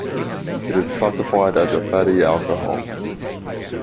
It is classified as a fatty alcohol.